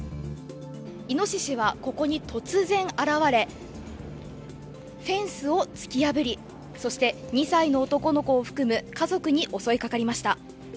いのししは、ここに突然現れ、フェンスを突き破り、そして、２歳の男の子を含む家族に襲いかかりました。